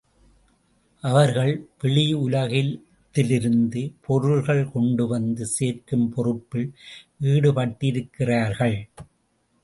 அவர்கள் வெளியுலகத்திலிருந்து பொருள்கள் கொண்டுவந்து சேர்க்கும் பொறுப்பில் ஈடுபட்டிருக்கிறார்கள்.